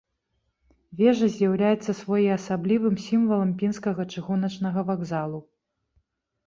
Вежа з'яўляецца своеасаблівым сімвалам пінскага чыгуначнага вакзалу.